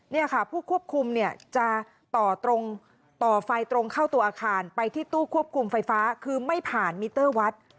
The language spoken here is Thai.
นี่ค่ะผู้ควบคุมเนี่ยจะต่อตรงต่อไฟตรงเข้าตัวอาคารไปที่ตู้ควบคุมไฟฟ้าคือไม่ผ่านมิเตอร์วัด